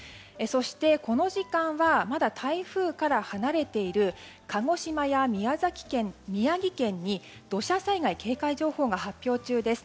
そして、この時間はまだ台風から離れている鹿児島や宮城県に土砂災害警戒情報が発表中です。